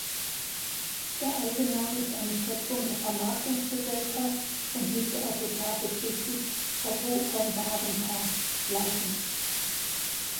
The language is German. Der Eigenname ist eine Schöpfung der Vermarktungsgesellschaft und müsste orthografisch richtig „Otto-von-Bahren-Park“ lauten.